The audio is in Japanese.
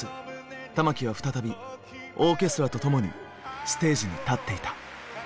玉置は再びオーケストラと共にステージに立っていた。